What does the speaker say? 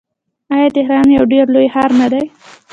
آیا تهران یو ډیر لوی ښار نه دی؟